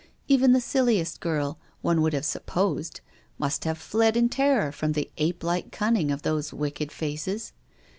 Even the silliest girl, one would have supposed, must have fled in terror from the ape like cunning of those wicked faces.